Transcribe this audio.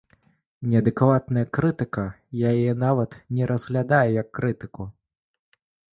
Неадэкватная крытыка, я яе нават не разглядаю як крытыку.